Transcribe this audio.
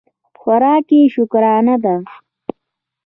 خوراک یې شکرانه ده.